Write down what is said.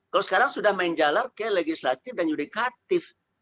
kalau sekarang sudah menjalankan legislatif dan yudikatif